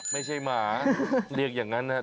ไม่ใช่หมาเรียกอย่างนั้นนะครับ